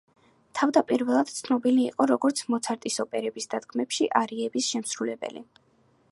თავდაპირველად ცნობილი იყო როგორც მოცარტის ოპერების დადგმებში არიების შემსრულებელი.